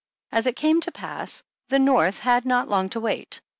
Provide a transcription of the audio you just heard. As it came to pass, the North had not long to wait.